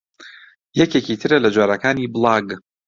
یەکێکی ترە لە جۆرەکانی بڵاگ